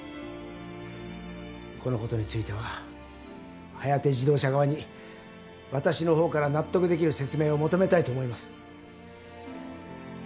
このことについてはハヤテ自動車側に私の方から納得できる説明を求めたいと思います。